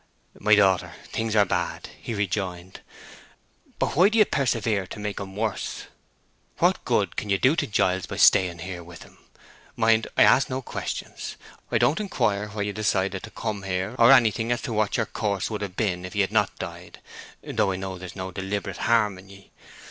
"My daughter, things are bad," he rejoined. "But why do you persevere to make 'em worse? What good can you do to Giles by staying here with him? Mind, I ask no questions. I don't inquire why you decided to come here, or anything as to what your course would have been if he had not died, though I know there's no deliberate harm in ye.